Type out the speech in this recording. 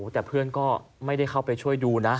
แต่เพื่อนก็ไม่ได้เข้าไปช่วยดูนะ